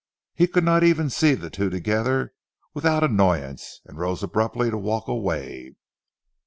He could not even see the two together without annoyance, and rose abruptly to walk away.